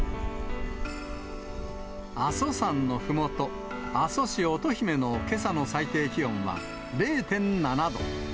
阿蘇山のふもと、阿蘇市乙姫のけさの最低気温は０．７度。